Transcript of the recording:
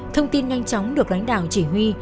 thông tin nhanh chóng được lãnh đạo chỉ huy